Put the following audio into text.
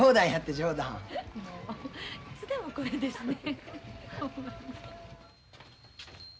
もういつでもこれですねん。